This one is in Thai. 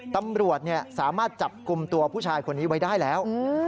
ตำรวจสามารถจับกลุ่มตัวผู้ชายคนนี้ไว้ได้แล้ว